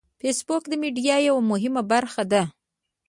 فېسبوک د میډیا یوه مهمه برخه ده